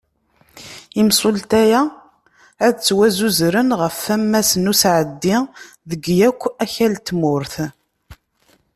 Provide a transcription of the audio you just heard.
Imsulta-a, ad ttwasuzren ɣef wammasen n usɛeddi deg yakk akal n tmurt.